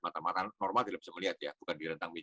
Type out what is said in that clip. mata mata normal tidak bisa melihat ya bukan di rentang